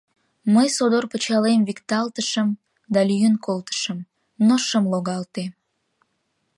Мый содор пычалем викталтышым да лӱен колтышым, но шым логалте.